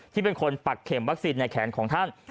ที่เป็นคนปักเข็มวัคซีนในแขนของท่าน